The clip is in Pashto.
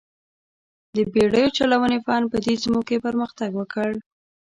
د بېړیو چلونې فن په دې سیمو کې پرمختګ وکړ.